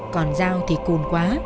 còn dao thì cùn quá